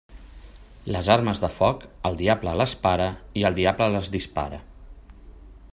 Les armes de foc, el diable les para i el diable les dispara.